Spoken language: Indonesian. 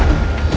kau tidak tahu